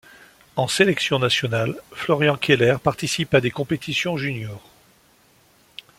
En sélection nationale, Florian Keller participe à des compétitions juniors.